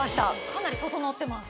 かなり整ってます